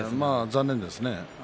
残念ですね。